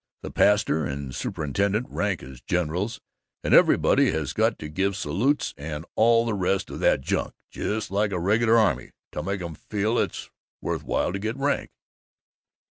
The pastor and superintendent rank as generals. And everybody has got to give salutes and all the rest of that junk, just like a regular army, to make 'em feel it's worth while to get rank.